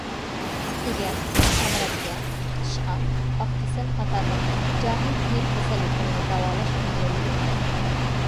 سۆگەل، تەمرەتكە، قىچىشقاق، ئاق كېسەل قاتارلىق جاھىل تېرە كېسەللىكلەرنى داۋالاش ئۈنۈمىمۇ يۇقىرى.